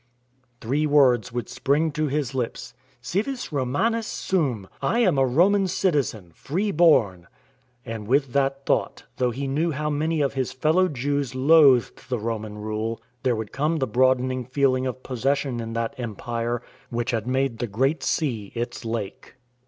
Three words would spring to his lips, " Civis Romanus sum "—" I am a Roman citizen — free born." And with that thought — though he knew how many of his fellow Jews loathed the Roman rule — there would come the broadening feeling of possession in that Empire, which had made the Great Sea its Lake.